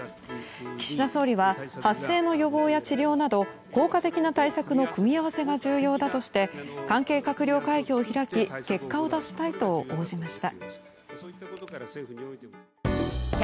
岸田総理は発生の予防や治療など効果的な対策の組み合わせが重要だとして関係閣僚会議を開き結果を出したいと応じました。